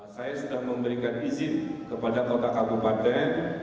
saya sudah memberikan izin kepada kota kabupaten